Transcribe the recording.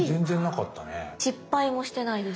失敗もしてないです。